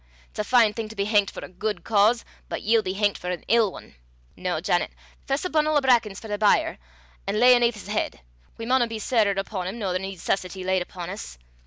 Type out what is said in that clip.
It's a fine thing to be hangt for a guid cause, but ye'll be hangt for an ill ane. Noo, Janet, fess a bun'le o' brackens frae the byre, an' lay aneth 's heid. We maunna be sairer upo' him, nor the needcessity laid upo' his.